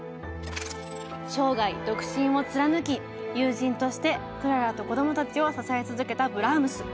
生涯独身を貫き友人としてクララとこどもたちを支え続けたブラームス。